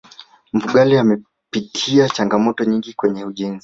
mfugale amepitia changamoto nyingi kwenye ujenzi